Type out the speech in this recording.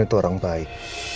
itu orang baik